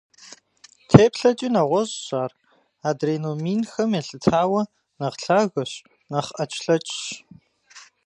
ТеплъэкӀи нэгъуэщӀщ ар, адрей номинхэм елъытауэ, нэхъ лъагэщ, нэхъ Ӏэчлъэчщ.